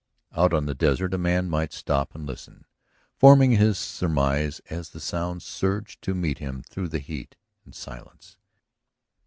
Out on the desert a man might stop and listen, forming his surmise as the sounds surged to meet him through the heat and silence.